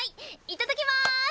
いただきまーす！